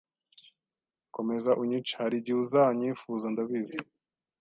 Komeza unyice harigihe uza nyifuza ndabizi